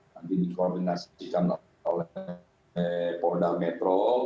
nanti dikoordinasikan oleh polda metro